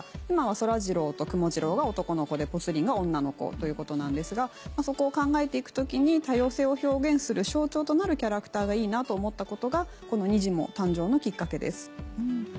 今はそらジローとくもジローが男の子でぽつリンが女の子ということなんですがそこを考えて行く時に多様性を表現する象徴となるキャラクターがいいなと思ったことがこのにじモ誕生のきっかけです。